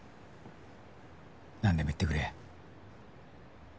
なんでも言ってくれや。